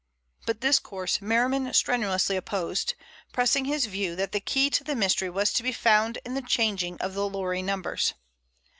But this course Merriman strenuously opposed, pressing his view that the key to the mystery was to be found in the changing of the lorry numbers.